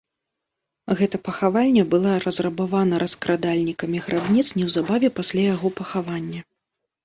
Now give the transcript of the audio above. Гэта пахавальня была разрабавана раскрадальнікамі грабніц неўзабаве пасля яго пахавання.